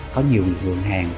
có nhiều vườn hàng